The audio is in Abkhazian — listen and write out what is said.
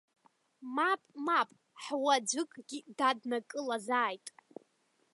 Мап, мап ҳуаӡәыкгьы даднакылазааит.